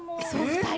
２人。